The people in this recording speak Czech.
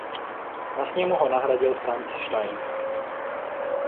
Na sněmu ho nahradil Franz Stein.